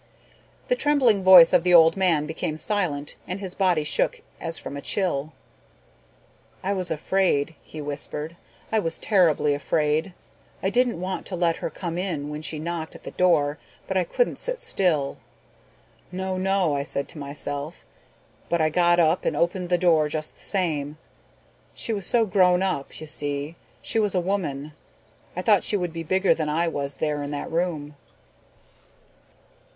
The trembling voice of the old man became silent and his body shook as from a chill. "I was afraid," he whispered. "I was terribly afraid. I didn't want to let her come in when she knocked at the door but I couldn't sit still. 'No, no,' I said to myself, but I got up and opened the door just the same. She was so grown up, you see. She was a woman. I thought she would be bigger than I was there in that room."